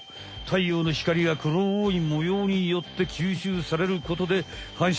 たいようの光が黒い模様によって吸収されることではん